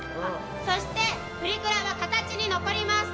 そして、プリクラは形に残ります。